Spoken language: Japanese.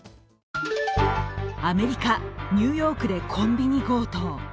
アメリカ・ニューヨークでコンビニ強盗。